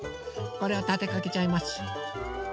これをたてかけちゃいます。